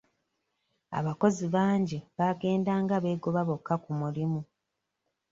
Abakozi bangi baagendanga beegoba bokka ku mulimu.